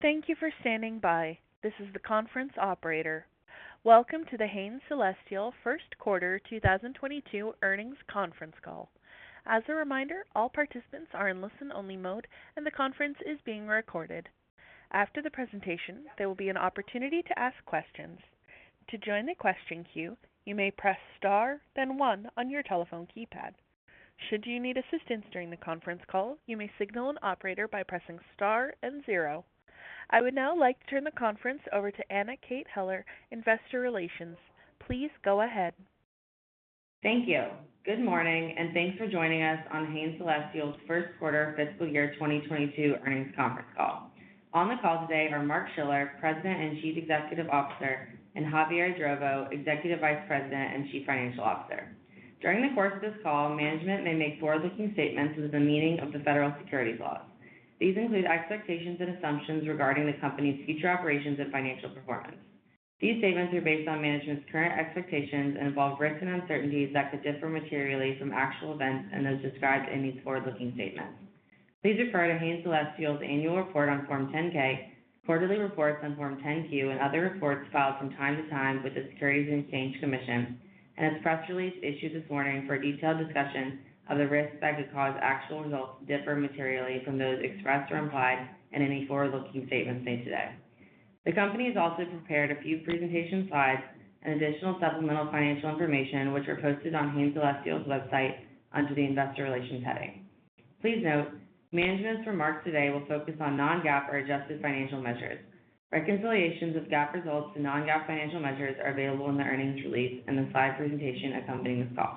Thank you for standing by. This is the conference operator. Welcome to the Hain Celestial Q1 2022 earnings conference call. As a reminder, all participants are in listen-only mode, and the conference is being recorded. After the presentation, there will be an opportunity to ask questions. To join the question queue, you may press star, then 1 on your telephone keypad. Should you need assistance during the conference call, you may signal an operator by pressing star and 0. I would now like to turn the conference over to Anna Kate Heller, Investor Relations. Please go ahead. Thank you. Good morning, and thanks for joining us on Hain Celestial's Q1 fiscal year 2022 earnings conference call. On the call today are Mark Schiller, President and Chief Executive Officer, and Javier Idrovo, Executive Vice President and Chief Financial Officer. During the course of this call, management may make forward-looking statements with the meaning of the federal securities laws. These include expectations and assumptions regarding the company's future operations and financial performance. These statements are based on management's current expectations and involve risks and uncertainties that could differ materially from actual events and as described in these forward-looking statements. Please refer to Hain Celestial's annual report on Form 10-K, quarterly reports on Form 10-Q, and other reports filed from time to time with the Securities and Exchange Commission, and its press release issued this morning for a detailed discussion of the risks that could cause actual results to differ materially from those expressed or implied in any forward-looking statements made today. The company has also prepared a few presentation slides and additional supplemental financial information which are posted on Hain Celestial's website under the Investor Relations heading. Please note management's remarks today will focus on non-GAAP or adjusted financial measures. Reconciliations of GAAP results to non-GAAP financial measures are available in the earnings release and the slide presentation accompanying this call.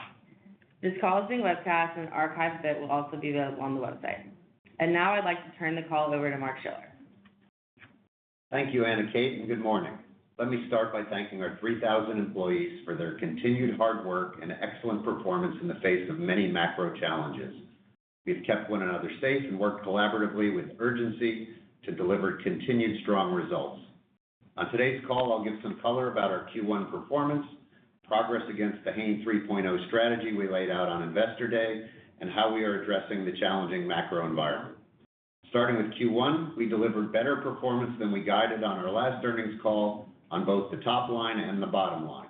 This call is being webcast and an archived replay will also be available on the website. Now I'd like to turn the call over to Mark Schiller. Thank you, Anna Kate Heller, and good morning. Let me start by thanking our 3,000 employees for their continued hard work and excellent performance in the face of many macro challenges. We've kept one another safe and worked collaboratively with urgency to deliver continued strong results. On today's call, I'll give some color about our Q1 performance, progress against the Hain 3.0 strategy we laid out on Investor Day, and how we are addressing the challenging macro environment. Starting with Q1, we delivered better performance than we guided on our last earnings call on both the top line and the bottom line.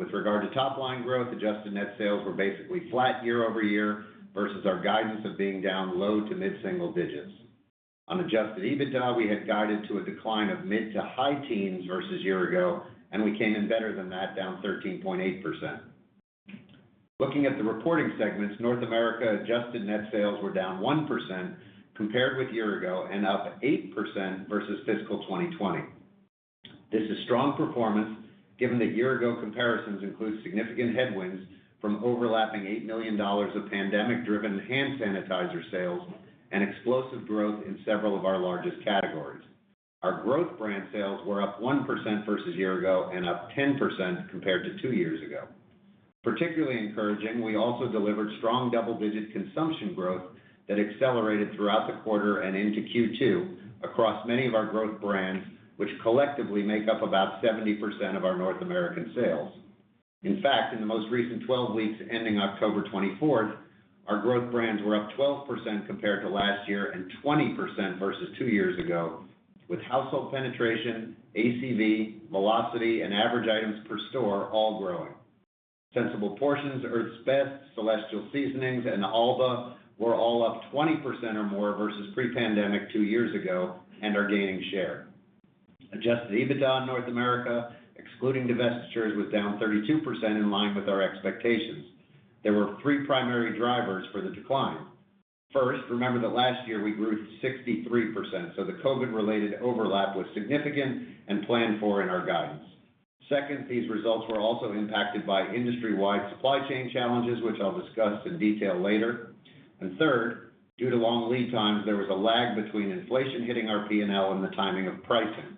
With regard to top line growth, adjusted net sales were basically flat year-over-year versus our guidance of being down low- to mid-single digits. On adjusted EBITDA, we had guided to a decline of mid- to high-teens% versus year-ago, and we came in better than that, down 13.8%. Looking at the reporting segments, North America adjusted net sales were down 1% compared with year-ago and up 8% versus fiscal 2020. This is strong performance given that year-ago comparisons include significant headwinds from overlapping $8 million of pandemic-driven hand sanitizer sales and explosive growth in several of our largest categories. Our growth brand sales were up 1% versus year-ago and up 10% compared to two years ago. Particularly encouraging, we also delivered strong double-digit consumption growth that accelerated throughout the quarter and into Q2 across many of our growth brands, which collectively make up about 70% of our North American sales. In fact, in the most recent 12 weeks ending October 24, our growth brands were up 12% compared to last year and 20% versus two years ago, with household penetration, ACV, velocity, and average items per store all growing. Sensible Portions, Earth's Best, Celestial Seasonings, and Alba Botanica were all up 20% or more versus pre-pandemic two years ago and are gaining share. Adjusted EBITDA in North America, excluding divestitures, was down 32% in line with our expectations. There were three primary drivers for the decline. First, remember that last year we grew 63%, so the COVID-related overlap was significant and planned for in our guidance. Second, these results were also impacted by industry-wide supply chain challenges, which I'll discuss in detail later. Third, due to long lead times, there was a lag between inflation hitting our P&L and the timing of pricing.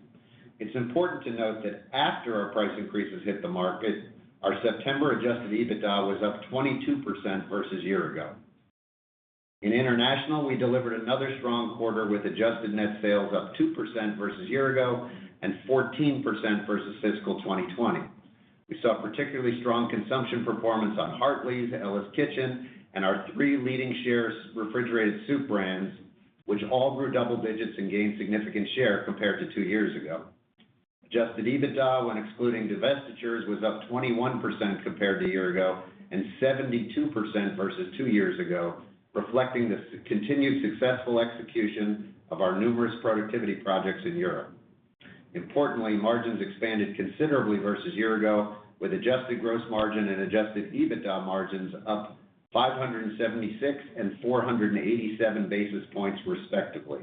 It's important to note that after our price increases hit the market, our September adjusted EBITDA was up 22% versus year ago. In international, we delivered another strong quarter with adjusted net sales up 2% versus year ago and 14% versus fiscal 2020. We saw particularly strong consumption performance on Hartley's, Ella's Kitchen, and our three leading chilled refrigerated soup brands, which all grew double digits and gained significant share compared to two years ago. Adjusted EBITDA when excluding divestitures was up 21% compared to a year ago and 72% versus two years ago, reflecting the continued successful execution of our numerous productivity projects in Europe. Importantly, margins expanded considerably versus year ago with adjusted gross margin and adjusted EBITDA margins up 576 and 487 basis points, respectively.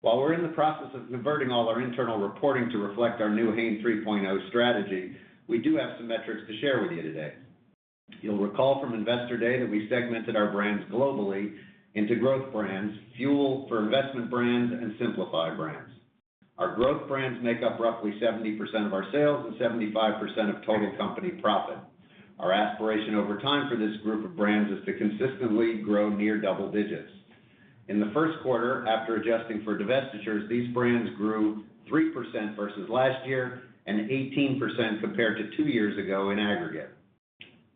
While we're in the process of converting all our internal reporting to reflect our new Hain 3.0 strategy, we do have some metrics to share with you today. You'll recall from Investor Day that we segmented our brands globally into growth brands, fuel for investment brands, and simplify brands. Our growth brands make up roughly 70% of our sales and 75% of total company profit. Our aspiration over time for this group of brands is to consistently grow near double digits. In the Q1, after adjusting for divestitures, these brands grew 3% versus last year and 18% compared to two years ago in aggregate.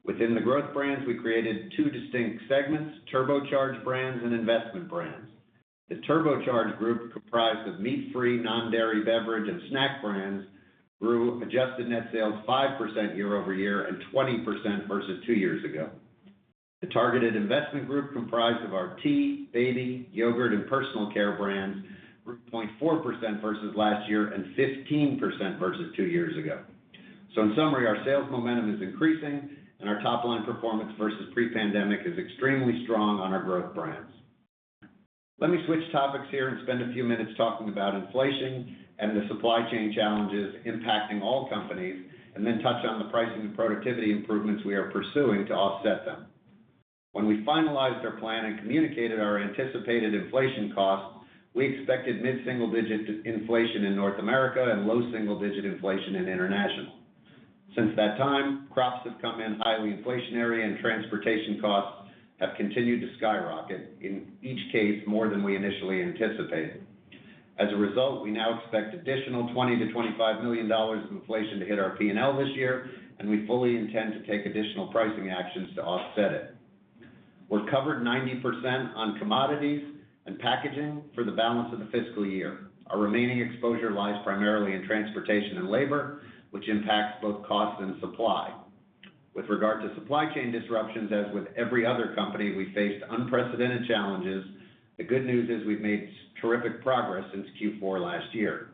Within the growth brands, we created two distinct segments, turbocharge brands and investment brands. The Turbocharge group comprised of meat-free, non-dairy beverage and snack brands grew adjusted net sales 5% year-over-year and 20% versus two years ago. The targeted investment group comprised of our tea, baby, yogurt and personal care brands grew 0.4% versus last year and 15% versus two years ago. In summary, our sales momentum is increasing and our top line performance versus pre-pandemic is extremely strong on our growth brands. Let me switch topics here and spend a few minutes talking about inflation and the supply chain challenges impacting all companies, and then touch on the pricing and productivity improvements we are pursuing to offset them. When we finalized our plan and communicated our anticipated inflation costs, we expected mid-single-digit inflation in North America and low single-digit inflation in international. Since that time, crops have come in highly inflationary and transportation costs have continued to skyrocket, in each case, more than we initially anticipated. As a result, we now expect additional $20 million-$25 million of inflation to hit our P&L this year, and we fully intend to take additional pricing actions to offset it. We're covered 90% on commodities and packaging for the balance of the fiscal year. Our remaining exposure lies primarily in transportation and labor, which impacts both cost and supply. With regard to supply chain disruptions, as with every other company, we faced unprecedented challenges. The good news is we've made terrific progress since Q4 last year.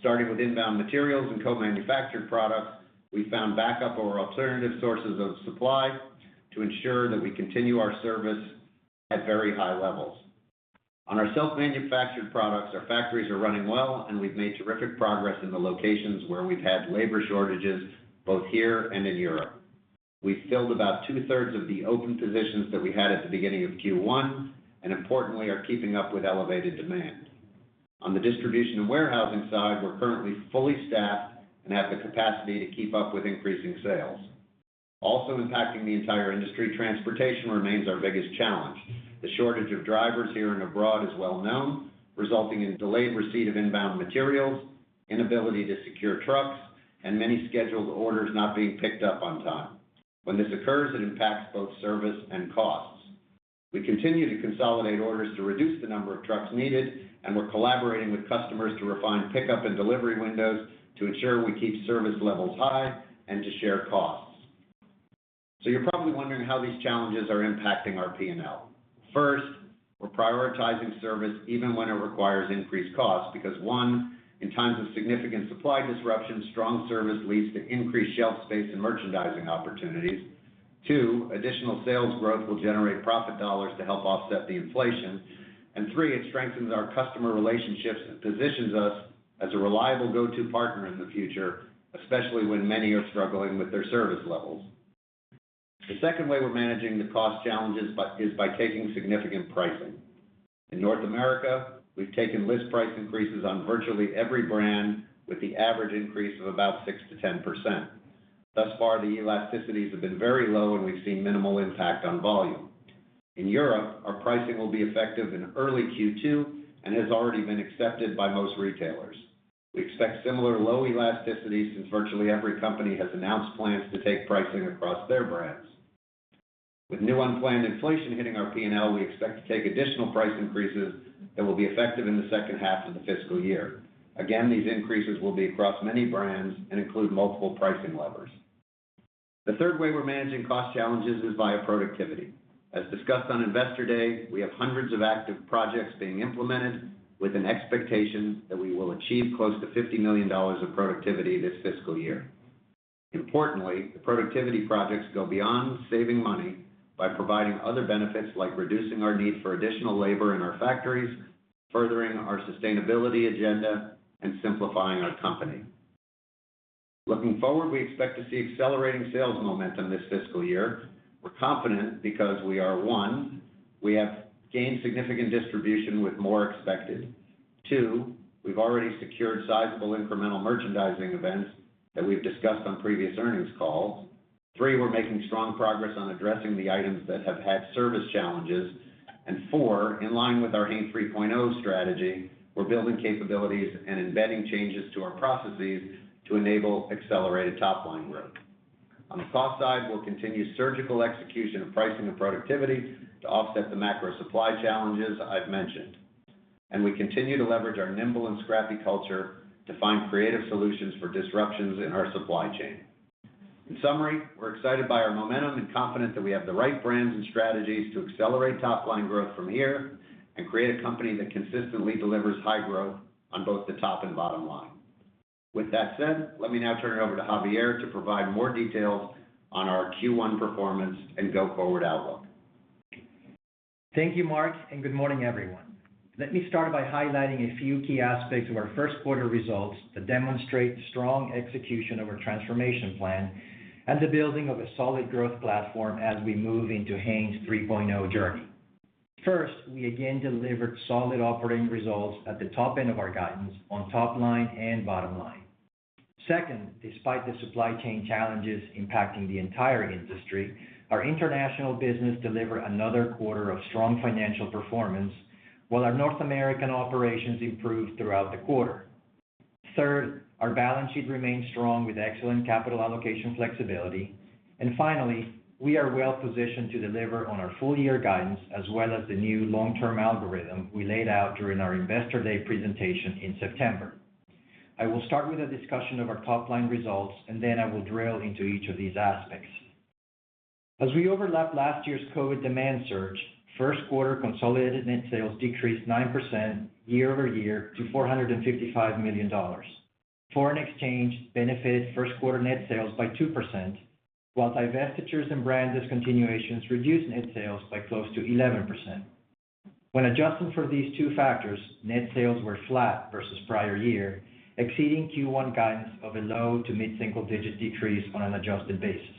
Starting with inbound materials and co-manufactured products, we found backup or alternative sources of supply to ensure that we continue our service at very high levels. On our self-manufactured products, our factories are running well, and we've made terrific progress in the locations where we've had labor shortages, both here and in Europe. We filled about two-thirds of the open positions that we had at the beginning of Q1, and importantly, are keeping up with elevated demand. On the distribution and warehousing side, we're currently fully staffed and have the capacity to keep up with increasing sales. Also impacting the entire industry, transportation remains our biggest challenge. The shortage of drivers here and abroad is well known, resulting in delayed receipt of inbound materials, inability to secure trucks, and many scheduled orders not being picked up on time. When this occurs, it impacts both service and costs. We continue to consolidate orders to reduce the number of trucks needed, and we're collaborating with customers to refine pickup and delivery windows to ensure we keep service levels high and to share costs. You're probably wondering how these challenges are impacting our P&L. First, we're prioritizing service even when it requires increased cost because, one, in times of significant supply disruption, strong service leads to increased shelf space and merchandising opportunities. Two, additional sales growth will generate profit dollars to help offset the inflation. Three, it strengthens our customer relationships and positions us as a reliable go-to partner in the future, especially when many are struggling with their service levels. The second way we're managing the cost challenges is by taking significant pricing. In North America, we've taken list price increases on virtually every brand with the average increase of about 6%-10%. Thus far, the elasticities have been very low and we've seen minimal impact on volume. In Europe, our pricing will be effective in early Q2 and has already been accepted by most retailers. We expect similar low elasticities since virtually every company has announced plans to take pricing across their brands. With new unplanned inflation hitting our P&L, we expect to take additional price increases that will be effective in the H2 of the fiscal year. Again, these increases will be across many brands and include multiple pricing levers. The third way we're managing cost challenges is via productivity. As discussed on Investor Day, we have hundreds of active projects being implemented with an expectation that we will achieve close to $50 million of productivity this fiscal year. Importantly, the productivity projects go beyond saving money by providing other benefits like reducing our need for additional labor in our factories, furthering our sustainability agenda, and simplifying our company. Looking forward, we expect to see accelerating sales momentum this fiscal year. We're confident because we are 1, we have gained significant distribution with more expected. 2, we've already secured sizable incremental merchandising events that we've discussed on previous earnings calls. 3, we're making strong progress on addressing the items that have had service challenges. 4, in line with our Hain 3.0 strategy, we're building capabilities and embedding changes to our processes to enable accelerated top line growth. On the cost side, we'll continue surgical execution of pricing and productivity to offset the macro supply challenges I've mentioned. We continue to leverage our nimble and scrappy culture to find creative solutions for disruptions in our supply chain. In summary, we're excited by our momentum and confident that we have the right brands and strategies to accelerate top line growth from here and create a company that consistently delivers high growth on both the top and bottom line. With that said, let me now turn it over to Javier to provide more details on our Q1 performance and go-forward outlook. Thank you, Mark, and good morning, everyone. Let me start by highlighting a few key aspects of our Q1 results that demonstrate strong execution of our transformation plan and the building of a solid growth platform as we move into Hain's 3.0 journey. First, we again delivered solid operating results at the top end of our guidance on top line and bottom line. Second, despite the supply chain challenges impacting the entire industry, our international business delivered another quarter of strong financial performance, while our North American operations improved throughout the quarter. Third, our balance sheet remains strong with excellent capital allocation flexibility. Finally, we are well-positioned to deliver on our full year guidance as well as the new long-term algorithm we laid out during our Investor Day presentation in September. I will start with a discussion of our top-line results, and then I will drill into each of these aspects. As we overlap last year's COVID demand surge, Q1 consolidated net sales decreased 9% year-over-year to $455 million. Foreign exchange benefited Q1 net sales by 2%, while divestitures and brand discontinuations reduced net sales by close to 11%. When adjusting for these two factors, net sales were flat versus prior year, exceeding Q1 guidance of a low- to mid-single-digit decrease on an adjusted basis.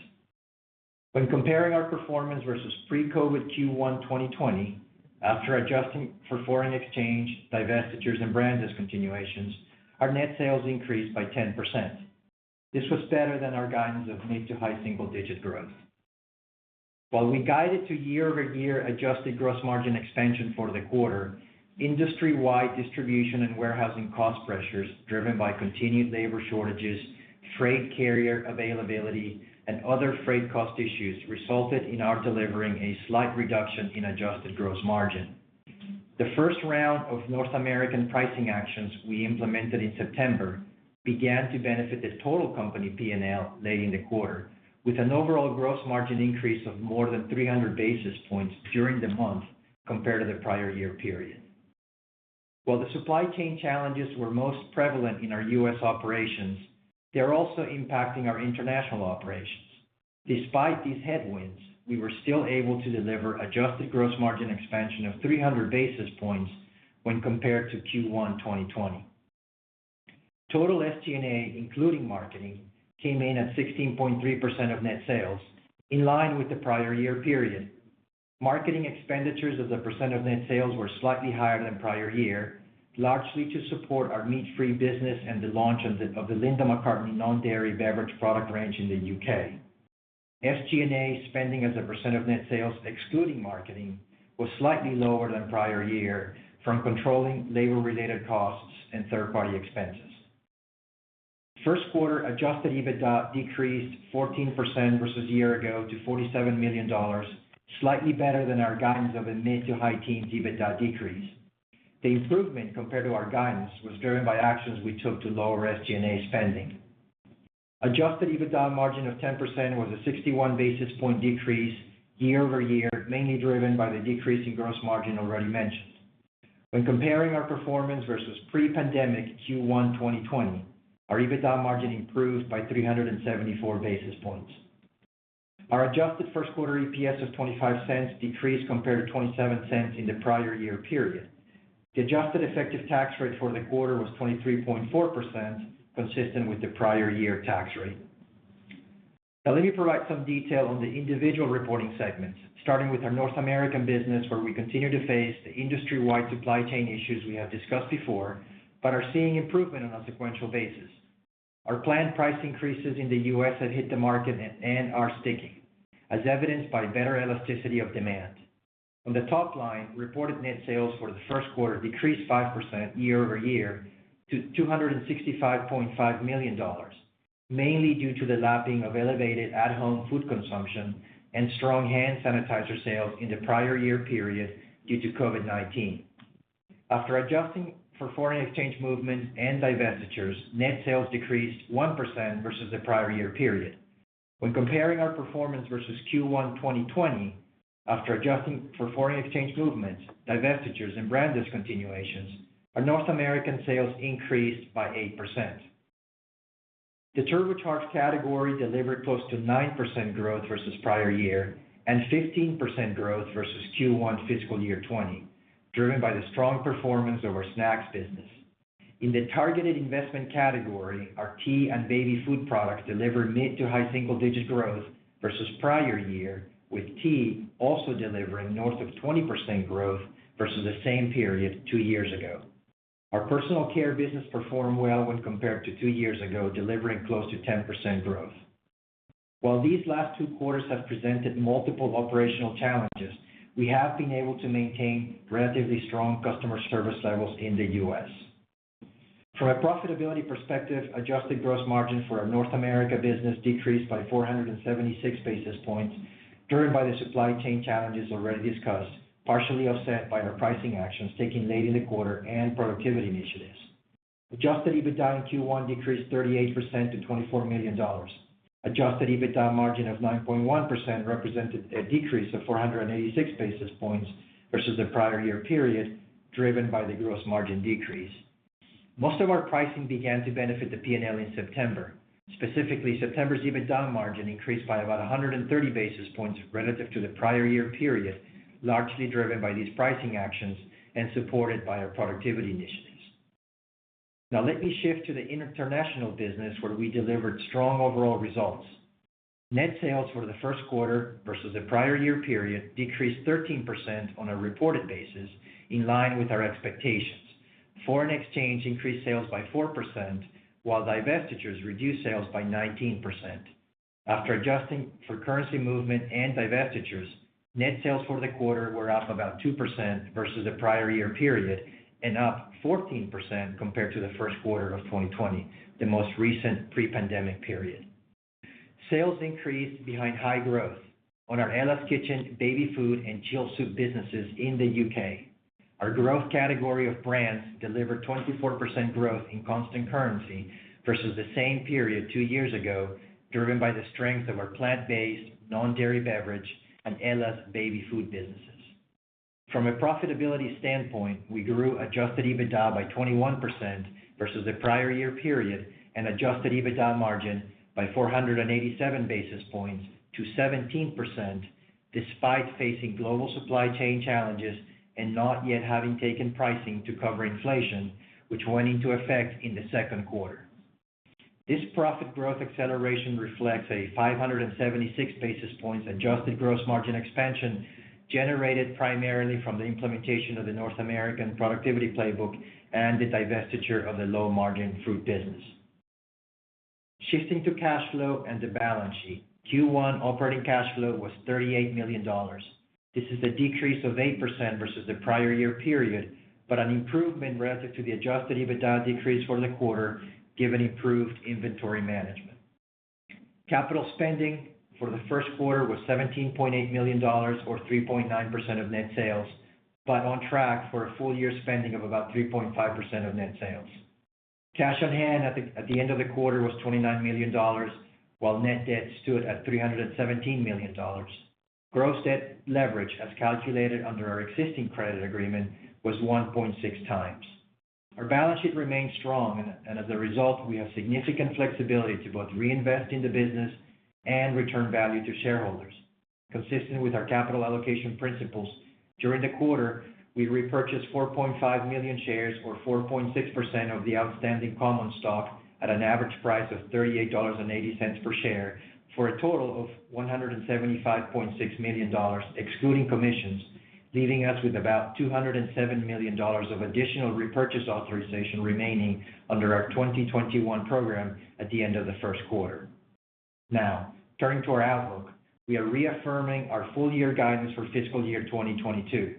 When comparing our performance versus pre-COVID Q1 2020, after adjusting for foreign exchange, divestitures, and brand discontinuations, our net sales increased by 10%. This was better than our guidance of mid- to high-single-digit growth. While we guided to year-over-year adjusted gross margin expansion for the quarter, industry-wide distribution and warehousing cost pressures driven by continued labor shortages, freight carrier availability, and other freight cost issues resulted in our delivering a slight reduction in adjusted gross margin. The first round of North American pricing actions we implemented in September began to benefit the total company P&L late in the quarter, with an overall gross margin increase of more than 300 basis points during the month compared to the prior year period. While the supply chain challenges were most prevalent in our U.S. operations, they're also impacting our international operations. Despite these headwinds, we were still able to deliver adjusted gross margin expansion of 300 basis points when compared to Q1 2020. Total SG&A, including marketing, came in at 16.3% of net sales, in line with the prior year period. Marketing expenditures as a percent of net sales were slightly higher than prior year, largely to support our meat-free business and the launch of the Linda McCartney's non-dairy beverage product range in the U.K. SG&A spending as a percent of net sales, excluding marketing, was slightly lower than prior year from controlling labor-related costs and third-party expenses. Q1 Adjusted EBITDA decreased 14% versus year ago to $47 million, slightly better than our guidance of a mid- to high-teens EBITDA decrease. The improvement compared to our guidance was driven by actions we took to lower SG&A spending. Adjusted EBITDA margin of 10% was a 61 basis point decrease year-over-year, mainly driven by the decrease in gross margin already mentioned. When comparing our performance versus pre-pandemic Q1 2020, our EBITDA margin improved by 374 basis points. Our adjusted Q1 EPS of 25 cents decreased compared to 27 cents in the prior year period. The adjusted effective tax rate for the quarter was 23.4%, consistent with the prior year tax rate. Now let me provide some detail on the individual reporting segments, starting with our North American business, where we continue to face the industry-wide supply chain issues we have discussed before, but are seeing improvement on a sequential basis. Our planned price increases in the U.S. have hit the market and are sticking, as evidenced by better elasticity of demand. On the top line, reported net sales for the Q1 decreased 5% year-over-year to $265.5 million, mainly due to the lapping of elevated at-home food consumption and strong hand sanitizer sales in the prior year period due to COVID-19. After adjusting for foreign exchange movement and divestitures, net sales decreased 1% versus the prior year period. When comparing our performance versus Q1 2020, after adjusting for foreign exchange movements, divestitures, and brand discontinuations, our North American sales increased by 8%. The turbocharge category delivered close to 9% growth versus prior year and 15% growth versus Q1 fiscal year 2020, driven by the strong performance of our snacks business. In the targeted investment category, our tea and baby food products delivered mid- to high-single-digit growth versus prior year, with tea also delivering north of 20% growth versus the same period two years ago. Our personal care business performed well when compared to two years ago, delivering close to 10% growth. While these last two quarters have presented multiple operational challenges, we have been able to maintain relatively strong customer service levels in the U.S. From a profitability perspective, adjusted gross margin for our North America business decreased by 476 basis points, driven by the supply chain challenges already discussed, partially offset by our pricing actions taken late in the quarter and productivity initiatives. Adjusted EBITDA in Q1 decreased 38% to $24 million. Adjusted EBITDA margin of 9.1% represented a decrease of 486 basis points versus the prior year period, driven by the gross margin decrease. Most of our pricing began to benefit the P&L in September. Specifically, September's EBITDA margin increased by about 130 basis points relative to the prior year period, largely driven by these pricing actions and supported by our productivity initiatives. Now let me shift to the international business where we delivered strong overall results. Net sales for the Q1 versus the prior year period decreased 13% on a reported basis in line with our expectations. Foreign exchange increased sales by 4%, while divestitures reduced sales by 19%. After adjusting for currency movement and divestitures, net sales for the quarter were up about 2% versus the prior year period and up 14% compared to the Q1 of 2020, the most recent pre-pandemic period. Sales increased behind high growth on our Ella's Kitchen baby food and chilled soup businesses in the U.K. Our growth category of brands delivered 24% growth in constant currency versus the same period two years ago, driven by the strength of our plant-based, non-dairy beverage and Ella's baby food businesses. From a profitability standpoint, we grew adjusted EBITDA by 21% versus the prior year period, and adjusted EBITDA margin by 487 basis points to 17% despite facing global supply chain challenges and not yet having taken pricing to cover inflation, which went into effect in the Q3. This profit growth acceleration reflects a 576 basis points adjusted gross margin expansion generated primarily from the implementation of the North American productivity playbook and the divestiture of the low-margin fruit business. Shifting to cash flow and the balance sheet, Q1 operating cash flow was $38 million. This is a decrease of 8% versus the prior year period, but an improvement relative to the adjusted EBITDA decrease for the quarter, given improved inventory management. Capital spending for the Q1 was $17.8 million or 3.9% of net sales, but on track for a full year spending of about 3.5% of net sales. Cash on hand at the end of the quarter was $29 million, while net debt stood at $317 million. Gross debt leverage, as calculated under our existing credit agreement, was 1.6x. Our balance sheet remains strong and as a result, we have significant flexibility to both reinvest in the business and return value to shareholders. Consistent with our capital allocation principles, during the quarter, we repurchased 4.5 million shares or 4.6% of the outstanding common stock at an average price of $38.80 per share for a total of $175.6 million, excluding commissions, leaving us with about $207 million of additional repurchase authorization remaining under our 2021 program at the end of the Q1. Now, turning to our outlook, we are reaffirming our full year guidance for fiscal year 2022.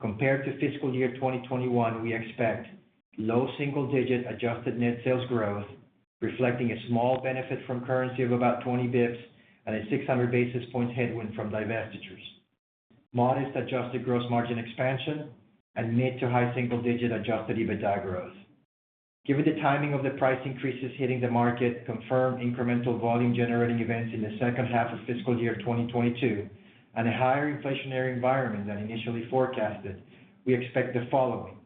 Compared to fiscal year 2021, we expect low single-digit adjusted net sales growth, reflecting a small benefit from currency of about 20 basis points and a 600 basis points headwind from divestitures, modest adjusted gross margin expansion and mid-to-high single-digit adjusted EBITDA growth. Given the timing of the price increases hitting the market, confirmed incremental volume generating events in the H2 of fiscal year 2022 and a higher inflationary environment than initially forecasted, we expect the following.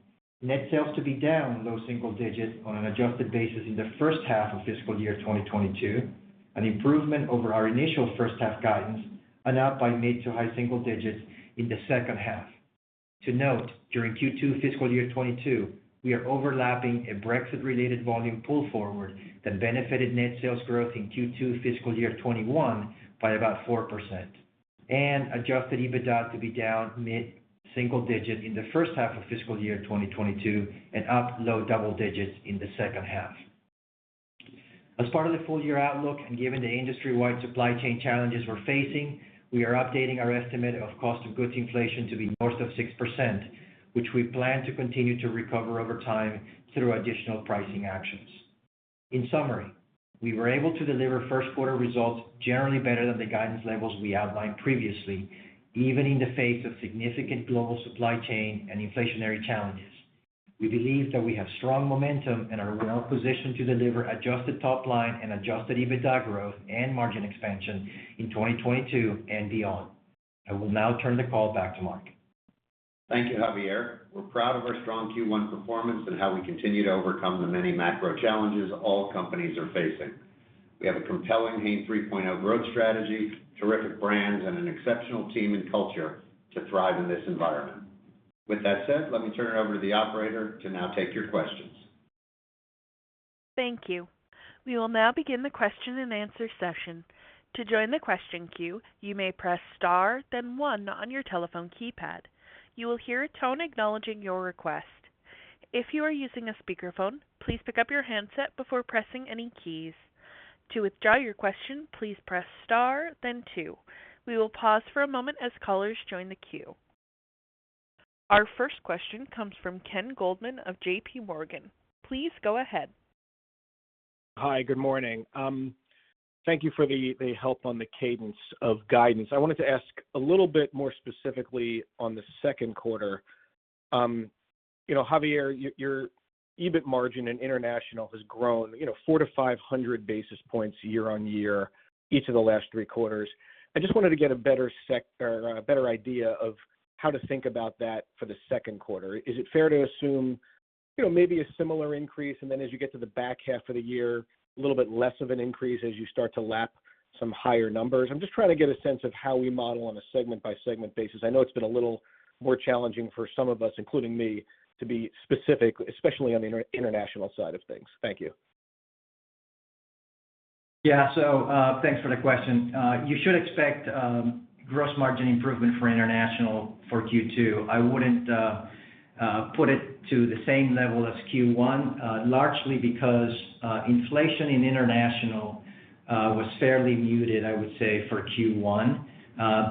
Net sales to be down low single digits on an adjusted basis in the H1 of fiscal year 2022, an improvement over our initial H1 guidance and up by mid to high single digits in the H2. To note, during Q2 fiscal year 2022, we are overlapping a Brexit-related volume pull forward that benefited net sales growth in Q2 fiscal year 2021 by about 4% and adjusted EBITDA to be down mid-single digit in the H1 of fiscal year 2022 and up low double digits in the H2. As part of the full-year outlook and given the industry-wide supply chain challenges we're facing, we are updating our estimate of cost of goods inflation to be north of 6%, which we plan to continue to recover over time through additional pricing actions. In summary, we were able to deliver Q1 results generally better than the guidance levels we outlined previously, even in the face of significant global supply chain and inflationary challenges. We believe that we have strong momentum and are well positioned to deliver adjusted top line and adjusted EBITDA growth and margin expansion in 2022 and beyond. I will now turn the call back to Mark. Thank you, Javier. We're proud of our strong Q1 performance and how we continue to overcome the many macro challenges all companies are facing. We have a compelling Hain 3.0 growth strategy, terrific brands, and an exceptional team and culture to thrive in this environment. With that said, let me turn it over to the operator to now take your questions. Thank you. We will now begin the question and answer session. To join the question queue, you may press star then one on your telephone keypad. You will hear a tone acknowledging your request. If you are using a speakerphone, please pick up your handset before pressing any keys. To withdraw your question, please press star then two. We will pause for a moment as callers join the queue. Our first question comes from Ken Goldman of J.P. Morgan. Please go ahead. Hi, good morning. Thank you for the help on the cadence of guidance. I wanted to ask a little bit more specifically on the Q3. You know, Javier, your EBIT margin in international has grown 400-500 basis points year-over-year, each of the last 3 quarters. I just wanted to get a better idea of how to think about that for the Q3. Is it fair to assume maybe a similar increase, and then as you get to the back half of the year, a little bit less of an increase as you start to lap some higher numbers? I'm just trying to get a sense of how we model on a segment-by-segment basis. I know it's been a little more challenging for some of us, including me, to be specific, especially on the international side of things. Thank you. Thanks for the question. You should expect gross margin improvement for international for Q2. I wouldn't put it to the same level as Q1, largely because inflation in international was fairly muted, I would say, for Q1.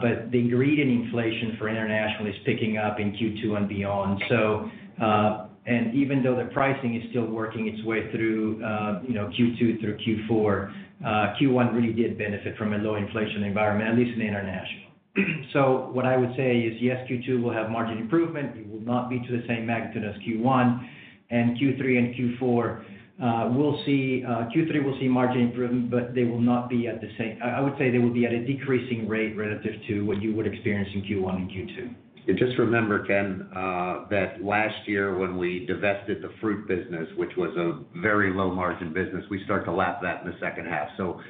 But the ingredient inflation for international is picking up in Q2 and beyond, and even though the pricing is still working its way through Q2 through Q4, Q1 really did benefit from a low inflation environment, at least in the international. What I would say is, yes, Q2 will have margin improvement. It will not be to the same magnitude as Q1. Q3 and Q4, we'll see. Q3 will see margin improvement, but they will not be at the same. I would say they will be at a decreasing rate relative to what you would experience in Q1 and Q2. Just remember, Ken, that last year when we divested the fruit business, which was a very low margin business, we start to lap that in the H2.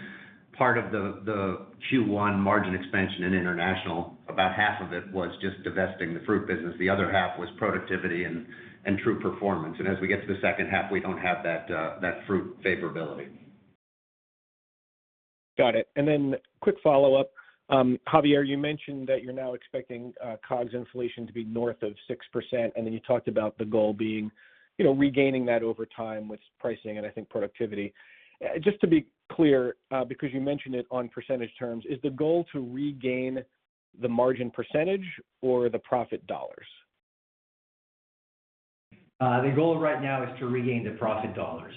Part of the Q1 margin expansion in international, about half of it was just divesting the fruit business. The other half was productivity and true performance. As we get to the H2, we don't have that fruit favorability. Got it. Quick follow-up. Javier, you mentioned that you're now expecting COGS inflation to be north of 6%, and then you talked about the goal being regaining that over time with pricing and I think productivity. Just to be clear, because you mentioned it on percentage terms, is the goal to regain the margin percentage or the profit dollars? The goal right now is to regain the profit dollars.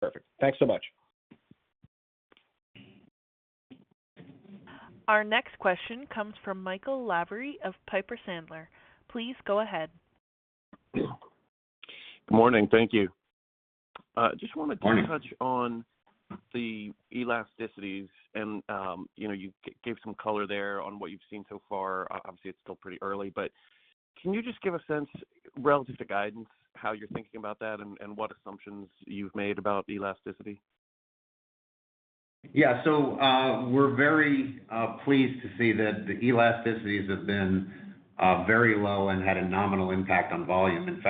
Perfect. Thanks so much. Our next question comes from Michael Lavery of Piper Sandler. Please go ahead. Good morning. Thank you. Just wanted to. Good morning. touch on the elasticities and you gave some color there on what you've seen so far. Obviously, it's still pretty early, but can you just give a sense relative to guidance, how you're thinking about that and what assumptions you've made about elasticity? We're very pleased to see that the elasticities have been very low and had a nominal impact on volume. In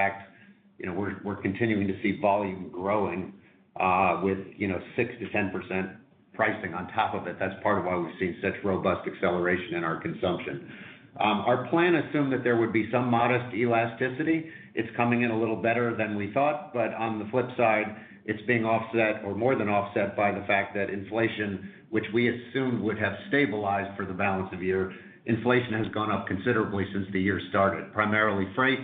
fact we're continuing to see volume growing with 6%-10% pricing on top of it. That's part of why we've seen such robust acceleration in our consumption. Our plan assumed that there would be some modest elasticity. It's coming in a little better than we thought, but on the flip side, it's being offset or more than offset by the fact that inflation, which we assumed would have stabilized for the balance of the year, inflation has gone up considerably since the year started, primarily freight.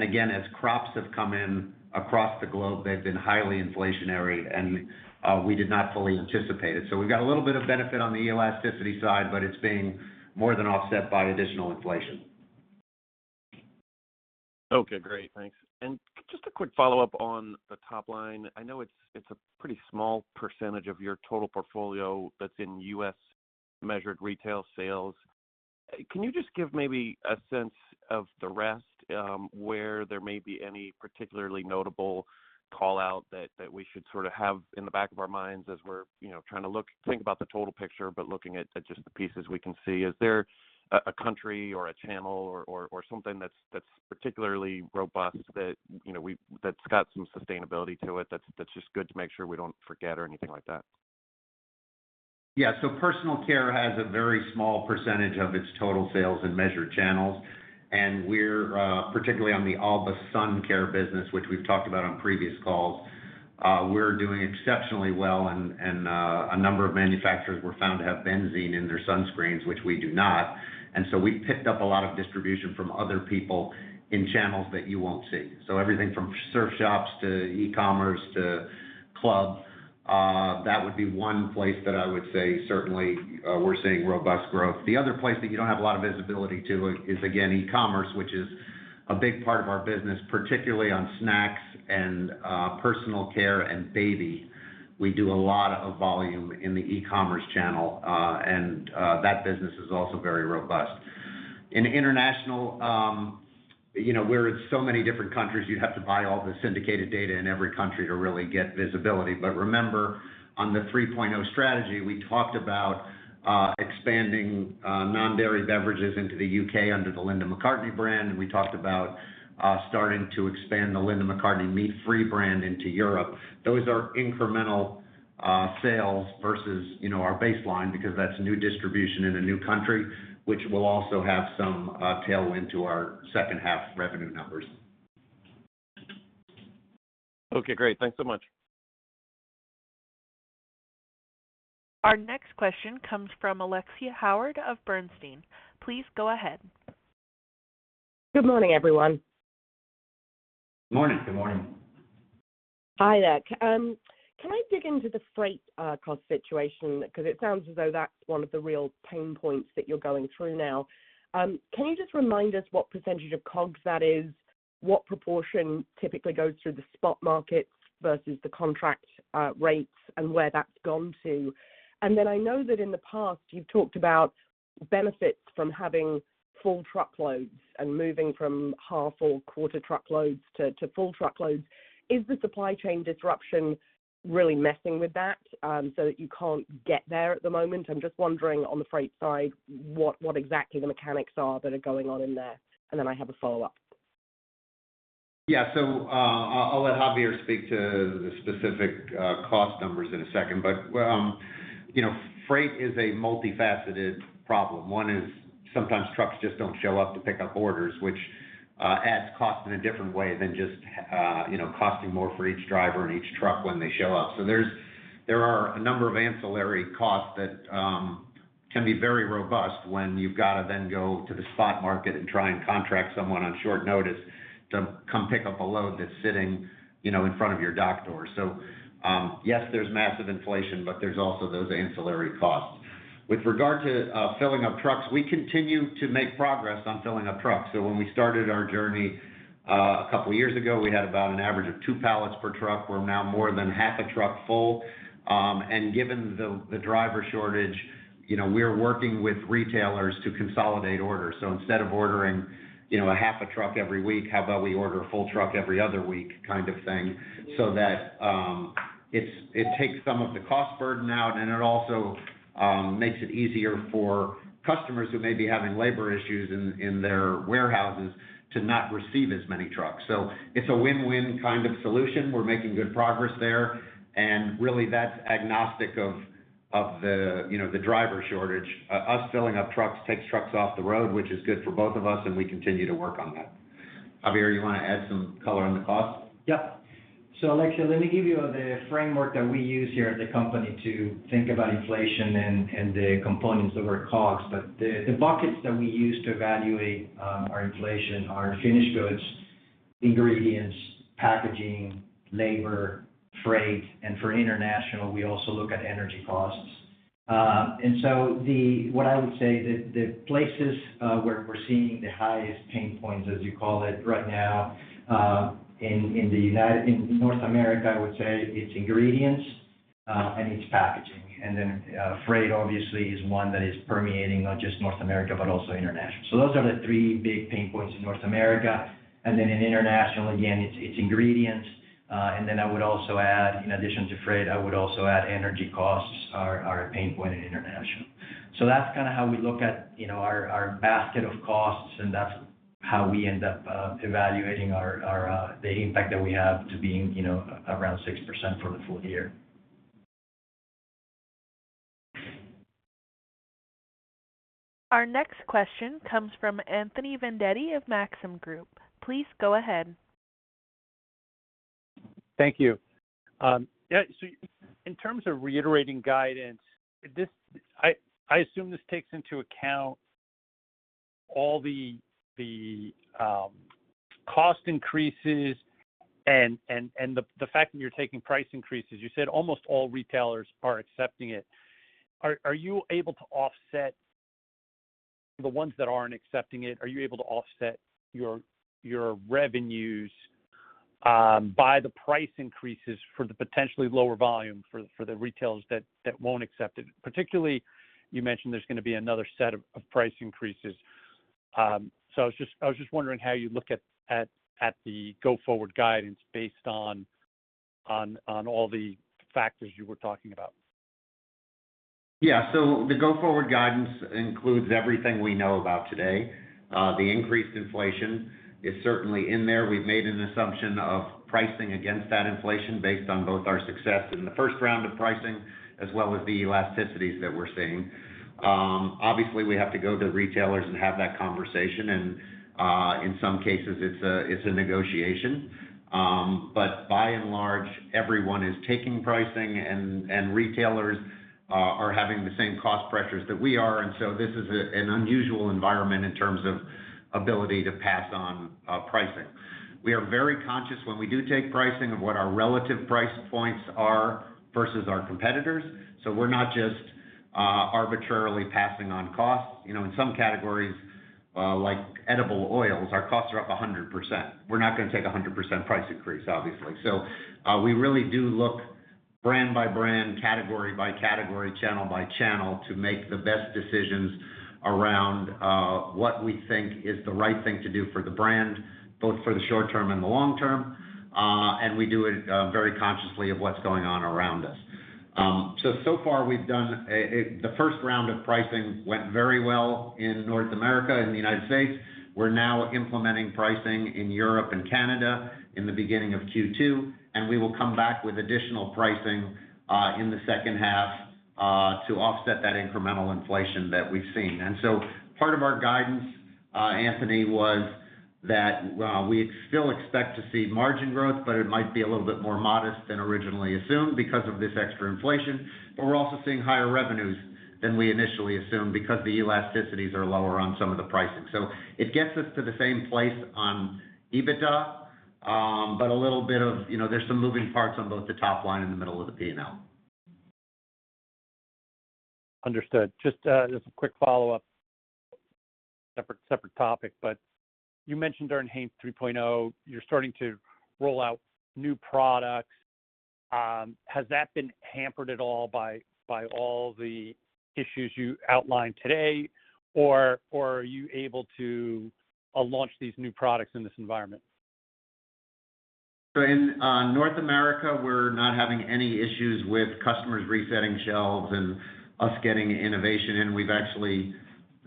Again, as crops have come in across the globe, they've been highly inflationary and we did not fully anticipate it. We've got a little bit of benefit on the elasticity side, but it's being more than offset by additional inflation. Okay, great. Thanks. Just a quick follow-up on the top line. I know it's a pretty small percentage of your total portfolio that's in U.S.-measured retail sales. Can you just give maybe a sense of the rest, where there may be any particularly notable call-out that we should sort of have in the back of our minds as we're trying to think about the total picture, but looking at just the pieces we can see? Is there a country or a channel or something that's particularly robust that that's got some sustainability to it that's just good to make sure we don't forget or anything like that? Yeah. Personal care has a very small percentage of its total sales in measured channels. We're particularly on the Alba Botanica sun care business, which we've talked about on previous calls. We're doing exceptionally well and a number of manufacturers were found to have benzene in their sunscreens, which we do not. We picked up a lot of distribution from other people in channels that you won't see. Everything from surf shops to e-commerce to club, that would be one place that I would say certainly we're seeing robust growth. The other place that you don't have a lot of visibility to is, again, e-commerce, which is a big part of our business, particularly on snacks and personal care and baby. We do a lot of volume in the e-commerce channel, and that business is also very robust. In international we're in so many different countries, you'd have to buy all the syndicated data in every country to really get visibility. Remember, on the 3.0 strategy, we talked about expanding non-dairy beverages into the U.K. under the Linda McCartney brand, and we talked about starting to expand the Linda McCartney meat-free brand into Europe. Those are incremental sales versus our baseline because that's new distribution in a new country, which will also have some tailwind to our H2 revenue numbers. Okay, great. Thanks so much. Our next question comes from Alexia Howard of Bernstein. Please go ahead. Good morning, everyone. Morning. Good morning. Hi there. Can I dig into the freight cost situation? Because it sounds as though that's one of the real pain points that you're going through now. Can you just remind us what percentage of COGS that is, what proportion typically goes through the spot markets versus the contract rates, and where that's gone to? Then I know that in the past you've talked about benefits from having full truckloads and moving from half or quarter truckloads to full truckloads. Is the supply chain disruption really messing with that, so that you can't get there at the moment? I'm just wondering on the freight side what exactly the mechanics are that are going on in there. Then I have a follow-up. I'll let Javier speak to the specific cost numbers in a second. You know, freight is a multifaceted problem. One is sometimes trucks just don't show up to pick up orders, which adds cost in a different way than just you know, costing more for each driver and each truck when they show up. There are a number of ancillary costs that can be very robust when you've got to then go to the spot market and try and contract someone on short notice to come pick up a load that's sitting you know, in front of your dock door. Yes, there's massive inflation, but there's also those ancillary costs. With regard to filling up trucks, we continue to make progress on filling up trucks. When we started our journey a couple of years ago, we had about an average of two pallets per truck. We're now more than half a truck full. Given the driver shortage we're working with retailers to consolidate orders. Instead of ordering a half a truck every week, how about we order a full truck every other week kind of thing, so that it takes some of the cost burden out and it also makes it easier for customers who may be having labor issues in their warehouses to not receive as many trucks. It's a win-win kind of solution. We're making good progress there. Really that's agnostic of the driver shortage. Us filling up trucks takes trucks off the road, which is good for both of us, and we continue to work on that. Javier, you wanna add some color on the cost? Yeah. Alexia, let me give you the framework that we use here at the company to think about inflation and the components of our costs. The buckets that we use to evaluate our inflation are finished goods, ingredients, packaging, labor, freight, and for international, we also look at energy costs. What I would say, the places where we're seeing the highest pain points, as you call it right now, in North America, I would say it's ingredients and it's packaging. Then, freight obviously is one that is permeating not just North America, but also international. Those are the three big pain points in North America. Then in international, again, it's ingredients. I would also add in addition to freight, I would also add energy costs are a pain point in international. That's kinda how we look at our basket of costs, and that's how we end up evaluating the impact that we have to being around 6% for the full year. Our next question comes from Anthony Vendetti of Maxim Group. Please go ahead. Thank you. In terms of reiterating guidance, I assume this takes into account all the cost increases and the fact that you're taking price increases. You said almost all retailers are accepting it. Are you able to offset the ones that aren't accepting it? Are you able to offset your revenues by the price increases for the potentially lower volume for the retailers that won't accept it? Particularly, you mentioned there's gonna be another set of price increases. I was just wondering how you look at the go-forward guidance based on all the factors you were talking about. Yeah. The go-forward guidance includes everything we know about today. The increased inflation is certainly in there. We've made an assumption of pricing against that inflation based on both our success in the first round of pricing as well as the elasticities that we're seeing. Obviously we have to go to retailers and have that conversation and, in some cases it's a negotiation. But by and large, everyone is taking pricing and retailers are having the same cost pressures that we are. This is an unusual environment in terms of ability to pass on pricing. We are very conscious when we do take pricing of what our relative price points are versus our competitors. We're not just arbitrarily passing on costs. You know, in some categories, like edible oils, our costs are up 100%. We're not gonna take a 100% price increase, obviously. We really do look brand by brand, category by category, channel by channel to make the best decisions around what we think is the right thing to do for the brand, both for the short term and the long term. We do it very consciously of what's going on around us. So far, the first round of pricing went very well in North America and the United States. We're now implementing pricing in Europe and Canada in the beginning of Q2, and we will come back with additional pricing in the H2 to offset that incremental inflation that we've seen. Part of our guidance, Anthony, was that we still expect to see margin growth, but it might be a little bit more modest than originally assumed because of this extra inflation. We're also seeing higher revenues than we initially assumed because the elasticities are lower on some of the pricing. It gets us to the same place on EBITDA, but a little bit of there's some moving parts on both the top line and the middle of the P&L. Understood. Just a quick follow-up, separate topic, but you mentioned during Hain 3.0, you're starting to roll out new products. Has that been hampered at all by all the issues you outlined today, or are you able to launch these new products in this environment? In North America, we're not having any issues with customers resetting shelves and us getting innovation in. We've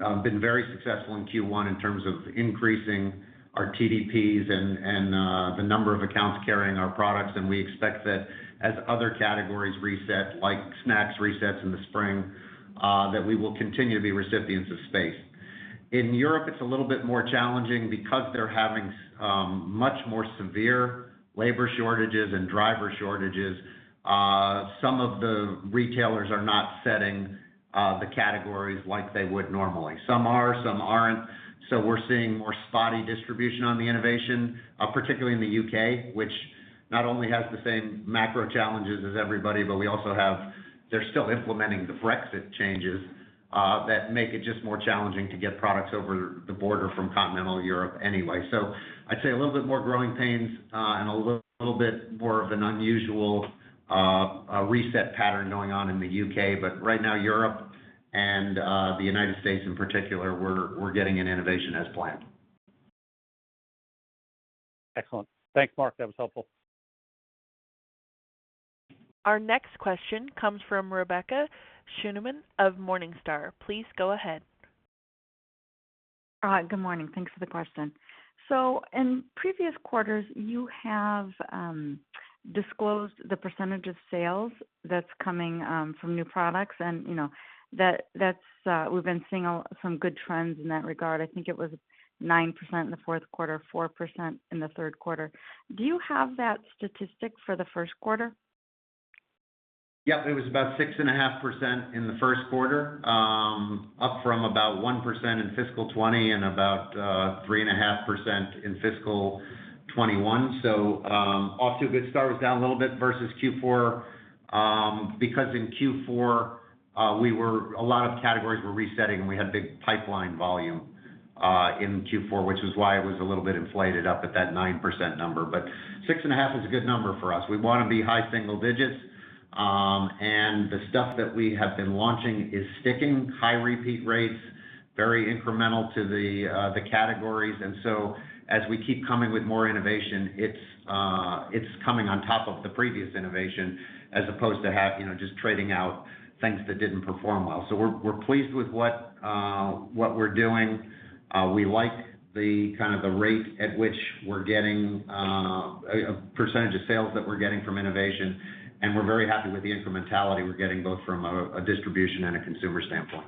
actually been very successful in Q1 in terms of increasing our TDPs and the number of accounts carrying our products. We expect that as other categories reset, like snacks resets in the spring, that we will continue to be recipients of space. In Europe, it's a little bit more challenging because they're having much more severe labor shortages and driver shortages. Some of the retailers are not setting the categories like they would normally. Some are, some aren't. We're seeing more spotty distribution on the innovation, particularly in the U.K., which not only has the same macro challenges as everybody, but they're still implementing the Brexit changes that make it just more challenging to get products over the border from continental Europe anyway. I'd say a little bit more growing pains, and a little bit more of an unusual reset pattern going on in the U.K. Right now, Europe and the U.S. in particular, we're getting an innovation as planned. Excellent. Thanks, Mark. That was helpful. Our next question comes from Rebecca Scheuneman of Morningstar. Please go ahead. All right, good morning. Thanks for the question. In previous quarters, you have disclosed the percentage of sales that's coming from new products, and you know that's. We've been seeing some good trends in that regard. I think it was 9% in the fourth quarter, 4% in the Q3. Do you have that statistic for the Q1? Yeah. It was about 6.5% in the Q1, up from about 1% in fiscal 2020 and about 3.5% in fiscal 2021. Off to a good start. It was down a little bit versus Q4, because in Q4 a lot of categories were resetting, and we had big pipeline volume in Q4, which is why it was a little bit inflated up at that 9% number. 6.5 is a good number for us. We wanna be high single digits, and the stuff that we have been launching is sticking, high repeat rates, very incremental to the categories. As we keep coming with more innovation, it's coming on top of the previous innovation as opposed to have just trading out things that didn't perform well. We're pleased with what we're doing. We like the rate at which we're getting a percentage of sales that we're getting from innovation, and we're very happy with the incrementality we're getting both from a distribution and a consumer standpoint.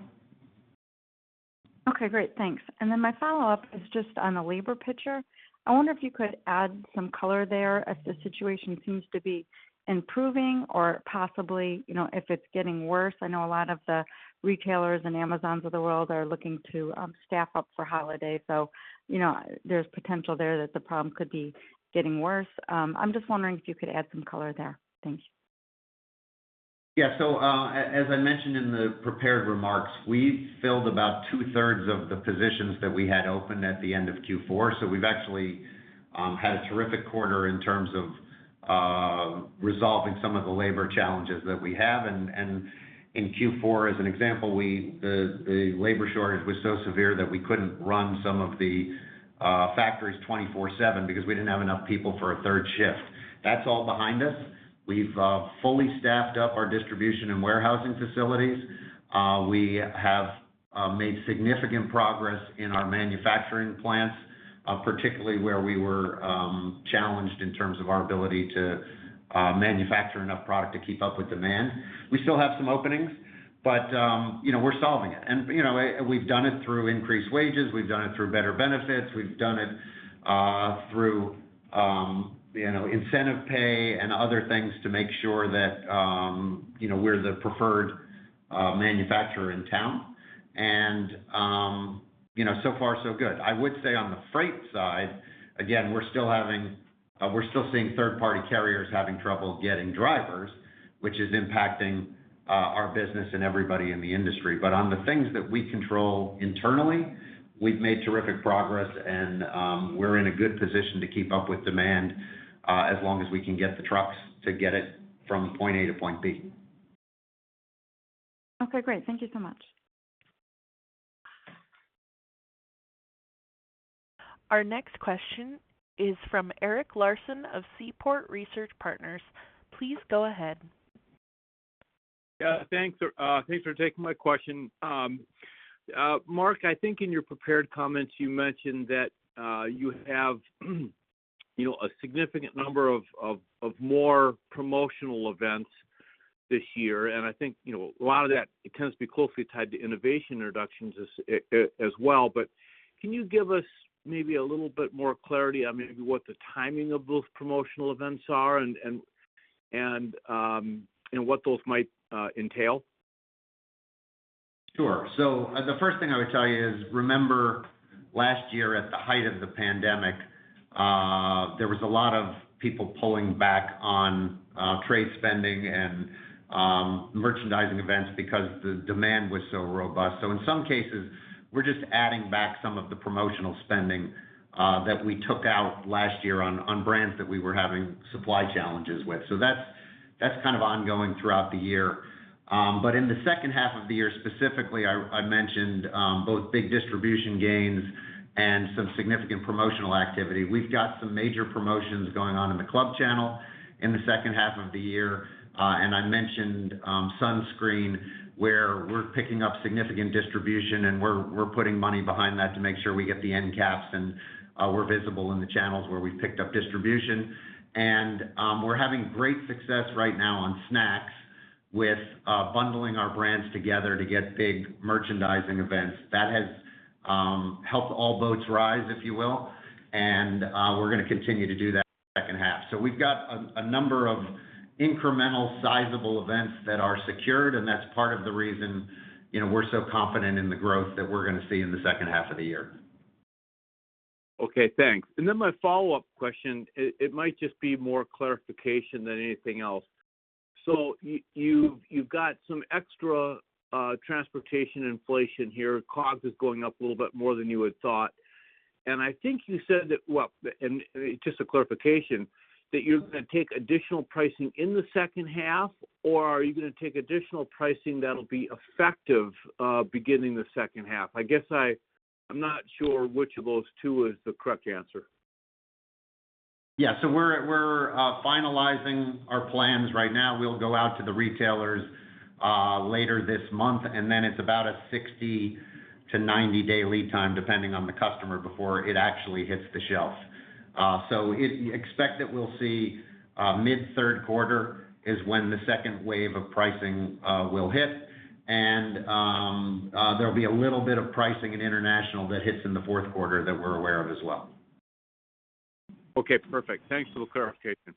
Okay, great. Thanks. My follow-up is just on the labor picture. I wonder if you could add some color there as the situation seems to be improving or possibly if it's getting worse. I know a lot of the retailers and Amazon's of the world are looking to staff up for holiday. You know, there's potential there that the problem could be getting worse. I'm just wondering if you could add some color there. Thank you. As I mentioned in the prepared remarks, we filled about two-thirds of the positions that we had open at the end of Q4. We've actually had a terrific quarter in terms of resolving some of the labor challenges that we have. In Q4, as an example, the labor shortage was so severe that we couldn't run some of the factories 24/7 because we didn't have enough people for a third shift. That's all behind us. We've fully staffed up our distribution and warehousing facilities. We have made significant progress in our manufacturing plants, particularly where we were challenged in terms of our ability to manufacture enough product to keep up with demand. We still have some openings, but you know, we're solving it. You know, we've done it through increased wages. We've done it through better benefits. We've done it through you know, incentive pay and other things to make sure that you know, we're the preferred manufacturer in town. You know, so far so good. I would say on the freight side, again, we're still seeing third-party carriers having trouble getting drivers, which is impacting our business and everybody in the industry. On the things that we control internally, we've made terrific progress and we're in a good position to keep up with demand as long as we can get the trucks to get it from point A to point B. Okay, great. Thank you so much. Our next question is from Eric Larson of Seaport Research Partners. Please go ahead. Yeah, thanks for taking my question. Mark, I think in your prepared comments you mentioned that you have a significant number of more promotional events this year. I think a lot of that tends to be closely tied to innovation introductions as well. But can you give us maybe a little bit more clarity on maybe what the timing of those promotional events are and you know, what those might entail? Sure. The first thing I would tell you is, remember last year at the height of the pandemic, there was a lot of people pulling back on trade spending and merchandising events because the demand was so robust. In some cases, we're just adding back some of the promotional spending that we took out last year on brands that we were having supply challenges with. That's kind of ongoing throughout the year. In the H2 of the year, specifically, I mentioned both big distribution gains and some significant promotional activity. We've got some major promotions going on in the club channel in the H2 of the year. I mentioned sunscreen, where we're picking up significant distribution, and we're putting money behind that to make sure we get the end caps and we're visible in the channels where we've picked up distribution. We're having great success right now on snacks with bundling our brands together to get big merchandising events. That has helped all boats rise, if you will, and we're gonna continue to do that H2. We've got a number of incremental sizable events that are secured, and that's part of the reason we're so confident in the growth that we're gonna see in the H2 of the year. Okay, thanks. Then my follow-up question, it might just be more clarification than anything else. You've got some extra transportation inflation here. COGS is going up a little bit more than you had thought. I think you said that, well, and just a clarification, that you're gonna take additional pricing in the H2, or are you gonna take additional pricing that'll be effective beginning the H2? I guess I'm not sure which of those two is the correct answer. We're finalizing our plans right now. We'll go out to the retailers later this month, and then it's about a 60- to 90-day lead time, depending on the customer, before it actually hits the shelves. Expect that we'll see mid-Q3 is when the second wave of pricing will hit. There'll be a little bit of pricing in international that hits in the fourth quarter that we're aware of as well. Okay, perfect. Thanks for the clarification.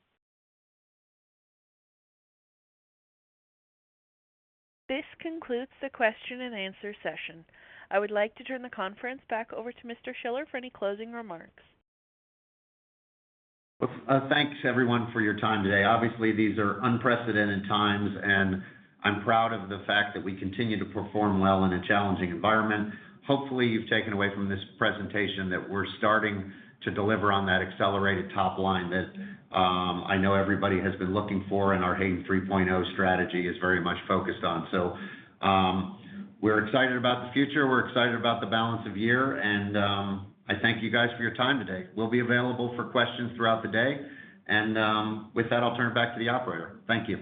This concludes the question and answer session. I would like to turn the conference back over to Mr. Schiller for any closing remarks. Thanks everyone for your time today. Obviously, these are unprecedented times, and I'm proud of the fact that we continue to perform well in a challenging environment. Hopefully, you've taken away from this presentation that we're starting to deliver on that accelerated top line that I know everybody has been looking for, and our Hain 3.0 strategy is very much focused on. We're excited about the future, we're excited about the balance of the year, and I thank you guys for your time today. We'll be available for questions throughout the day. With that, I'll turn it back to the operator. Thank you.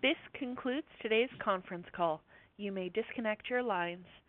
This concludes today's conference call. You may disconnect your lines.